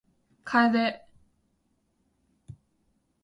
楓